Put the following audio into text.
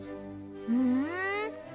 ふん。